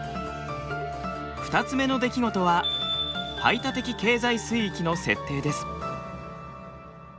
２つ目の出来事は排他的経済水域の設定です。